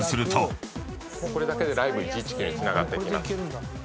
もうこれだけでＬｉｖｅ１１９につながってきます。